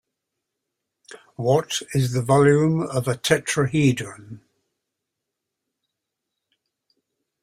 What is the volume of a tetrahedron?